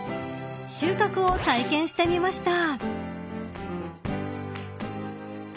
収穫を体験してみました。